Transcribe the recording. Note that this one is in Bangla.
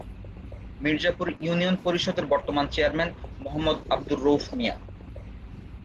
মির্জাপুর ইউনিয়ন পরিষদের বর্তমান চেয়ারম্যান মো:আব্দুর রউফ মিয়া।